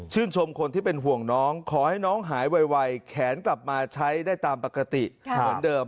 ชมคนที่เป็นห่วงน้องขอให้น้องหายไวแขนกลับมาใช้ได้ตามปกติเหมือนเดิม